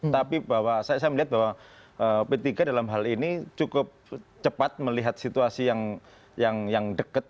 tapi saya melihat bahwa p tiga dalam hal ini cukup cepat melihat situasi yang dekat